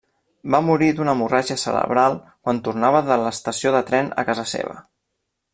Va morir d'una hemorràgia cerebral quan tornava de l'estació de tren a casa seva.